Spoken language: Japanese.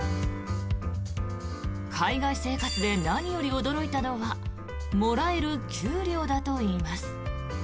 海外生活で何より驚いたのはもらえる給料だといいます。